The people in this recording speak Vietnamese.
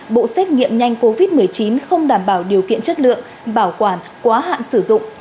bộ xét nghiệm nhanh covid một mươi chín không đảm bảo điều kiện chất lượng bảo quản quá hạn sử dụng